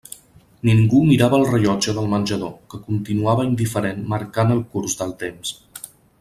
Ningú mirava el rellotge del menjador, que continuava indiferent marcant el curs del temps.